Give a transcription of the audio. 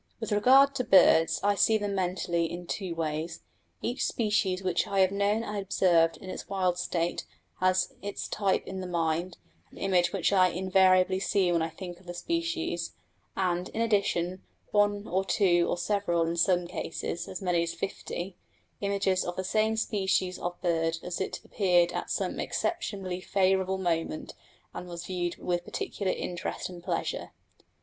With regard to birds, I see them mentally in two ways: each species which I have known and observed in its wild state has its type in the mind an image which I invariably see when I think of the species; and, in addition, one or two or several, in some cases as many as fifty, images of the same species of bird as it appeared at some exceptionally favourable moment and was viewed with peculiar interest and pleasure.